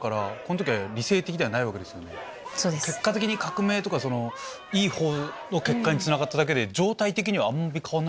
結果的に革命とかいい結果につながっただけで状態的にはあんまり変わらない。